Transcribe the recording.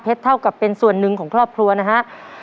เท่ากับเป็นส่วนหนึ่งของครอบครัวนะฮะ